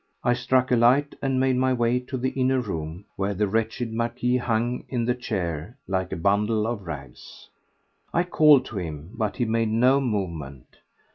I struck a light and made my way to the inner room where the wretched Marquis hung in the chair like a bundle of rags. I called to him, but he made no movement.